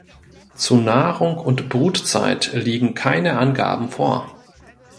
Zu Nahrung und Brutzeit liegen keine Angaben vor.